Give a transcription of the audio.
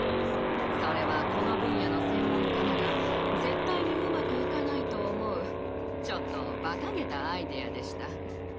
それはこの分野の専門家なら絶対にうまくいかないと思うちょっとバカげたアイデアでした。